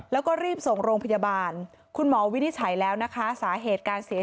แล้วก็รีบส่งโรงพยาบาลคุณหมอวินิจฉัยแล้วนะคะสาเหตุการเสีย